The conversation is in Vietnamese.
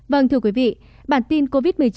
vâng thưa quý vị bản tin covid một mươi chín